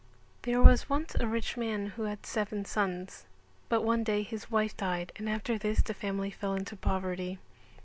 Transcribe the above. There was once a rich man who had seven sons, but one day his wife died and after this the family fell into poverty.